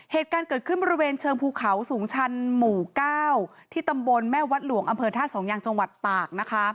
เหตุการณ์เกิดขึ้นบริเวณเชิงภูเขาสูงชันหมู่๙ที่ตำบลแม่วัดหลวงอำเภอท่าสองยางจังหวัดตากนะคะ